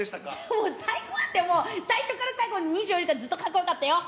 もう最高だったよ、最初から最後まで２４時間ずっとかっこよかったよ。